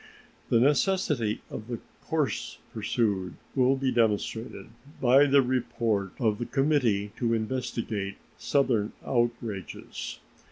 The necessity of the course pursued will be demonstrated by the report of the Committee to Investigate Southern Outrages.